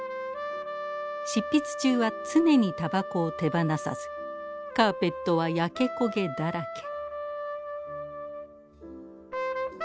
執筆中は常にタバコを手放さずカーペットは焼け焦げだらけ。